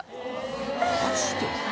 マジで？